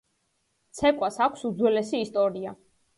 ცეკვას აქვს უძველესი ისტორია.